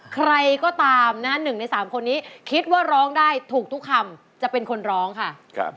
ใครก็ตามนะฮะ๑ใน๓คนนี้คิดว่าร้องได้ถูกทุกคำจะเป็นคนร้องค่ะ